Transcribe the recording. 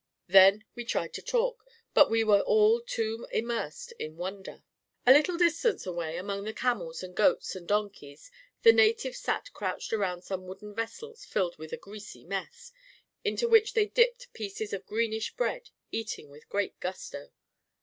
Then we tried to talk, but we were all too immersed in wonder ... io8 A KING IN BABYLON A little distance away, among the camels and goats and donkeys, the natives sat crouched around some wooden vessels filled with a greasy mess, into which they dipped pieces of greenish bread, eating with great gusto